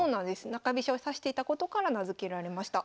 中飛車を指していたことから名付けられました。